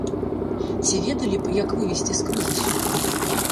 Ці ведалі б, як вывесці з крызісу?